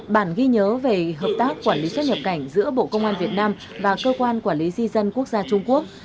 bản ghi nhớ về hợp tác quản lý xuất nhập cảnh giữa bộ công an việt nam và cơ quan quản lý di dân quốc gia trung quốc